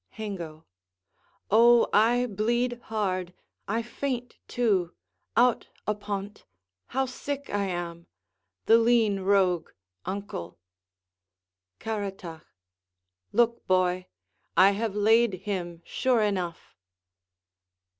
Hengo Oh, I bleed hard! I faint too; out upon't, How sick I am! The lean rogue, uncle! Caratach Look, boy; I have laid him sure enough.